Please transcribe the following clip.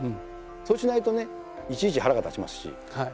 そうしないとねいちいち腹が立ちますし。